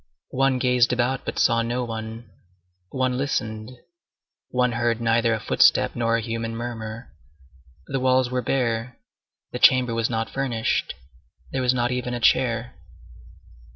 One gazed about, but saw no one; one listened, one heard neither a footstep nor a human murmur. The walls were bare, the chamber was not furnished; there was not even a chair.